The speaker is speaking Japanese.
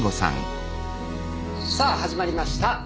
さあ始まりました。